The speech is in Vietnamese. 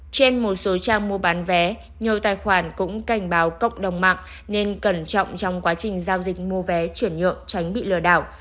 trên một số trang mua bán vé nhiều tài khoản cũng cảnh báo cộng đồng mạng nên cẩn trọng trong quá trình giao dịch mua vé chuyển nhượng tránh bị lừa đảo